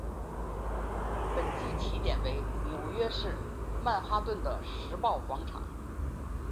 本季起点为纽约市曼哈顿的时报广场。